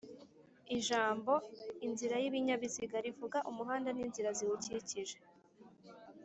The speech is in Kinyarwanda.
ijambo’’inzira y’ibinyabiziga’’,rivuga umuhanda n’inzira ziwukikije: